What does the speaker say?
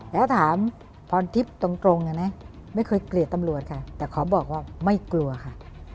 แล้วถามพรทิพย์ตรงนะไม่เคยเกลียดตำรวจค่ะแต่ขอบอกว่าไม่กลัวค่ะ